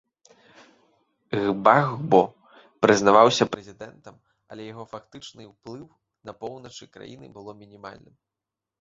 Гбагбо прызнаваўся прэзідэнтам, але яго фактычнае ўплыў на поўначы краіны было мінімальным.